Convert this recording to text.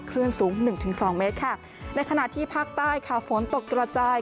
คลื่นสูง๑๒เมตรในขณะที่ภาคใต้ฝนตกตระจาย